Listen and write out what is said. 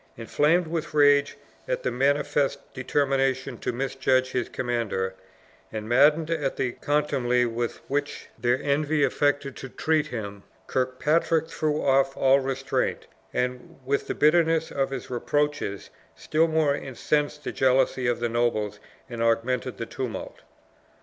Inflamed with rage at the manifest determination to misjudge his commander, and maddened at the contumely with which their envy affected to treat him, Kirkpatrick threw off all restraint, and with the bitterness of his reproaches still more incensed the jealousy of the nobles and augmented the tumult.